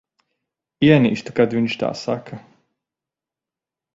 Ienīstu, kad viņš tā saka.